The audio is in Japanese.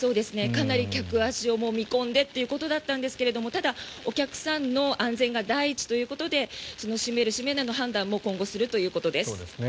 かなり客足を見込んでということだったんですがただ、お客さんの安全が第一ということで閉める、閉めないの判断も今後するということです。